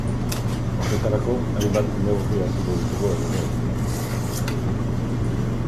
Horretarako, hainbat neurri hartuko ditugu eremu ezberdinetan.